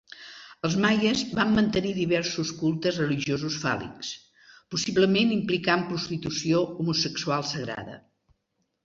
Els maies van mantenir diversos cultes religiosos fàl·lics, possiblement implicant prostitució homosexual sagrada.